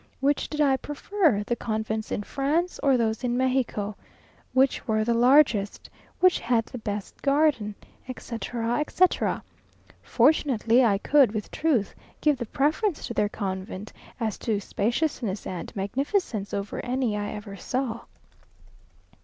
Which did I prefer, the convents in France, or those in Mexico? Which were largest? Which had the best garden? etc., etc. Fortunately, I could, with truth, give the preference to their convent, as to spaciousness and magnificence, over any I ever saw.